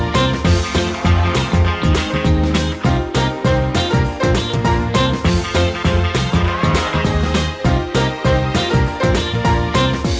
ดิติดตาม